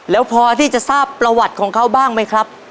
แล้วพอที่จะทราบประวัติของเขาบ้างไหมครับ